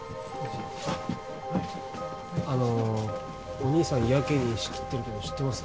あのお兄さんやけに仕切ってるけど知ってます？